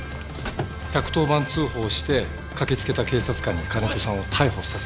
１１０番通報して駆け付けた警察官に金戸さんを逮捕させた。